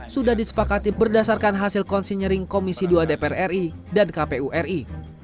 sudah disepakati berdasarkan hasil konsinyering komisi dua dpr ri dan kpu ri